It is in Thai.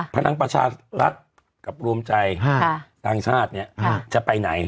พลังประชารัฐกับรวมใจต่างชาติเนี่ยจะไปไหน